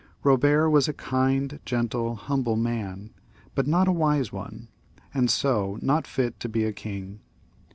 Bobert was a kind, gentle, humble man, but not a wise one, and so not fit to be a king.